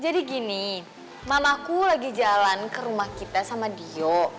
jadi gini mamaku lagi jalan ke rumah kita sama dio